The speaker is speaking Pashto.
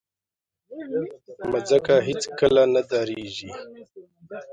مځکه هیڅکله نه دریږي.